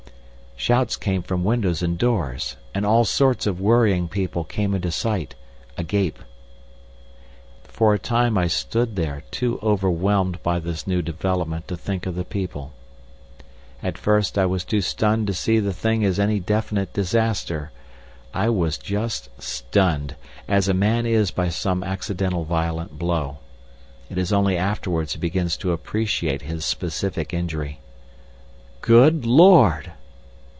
Shouts came from windows and doors, and all sorts of worrying people came into sight—agape. For a time I stood there, too overwhelmed by this new development to think of the people. At first I was too stunned to see the thing as any definite disaster—I was just stunned, as a man is by some accidental violent blow. It is only afterwards he begins to appreciate his specific injury. "Good Lord!"